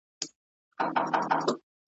له مثنوي څخه ژباړه